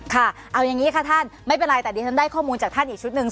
ค่ะเอาอย่างนี้ค่ะท่านไม่เป็นไรแต่ดิฉันได้ข้อมูลจากท่านอีกชุดหนึ่ง